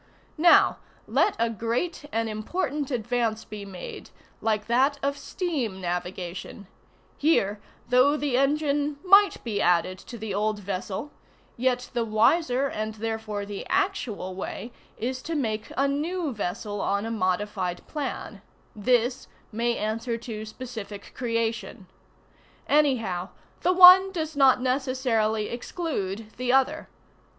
Now let a great and important advance be made, like that of steam navigation: here, though the engine might be added to the old vessel, yet the wiser and therefore the actual way is to make anew vessel on a modified plan: this may answer to specific creation. Anyhow, the one does not necessarily exclude the other.